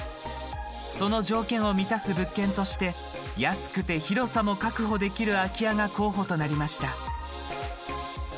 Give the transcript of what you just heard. その条件を満たす物件として安くて広さも確保できる空き家が候補となりました。